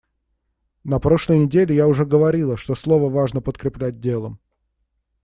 На прошлой неделе я уже говорила, что слово важно подкреплять делом.